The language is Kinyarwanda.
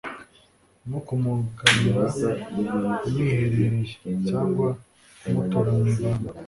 nko kumugabira mwiherereye, cyangwa kumutura mu ibanga